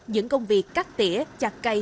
những công việc cắt tỉa chặt cây